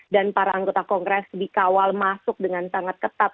dan para anggota kongres dikawal masuk dengan sangat ketat